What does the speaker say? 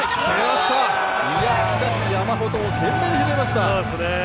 しかし、山本も懸命に拾いました。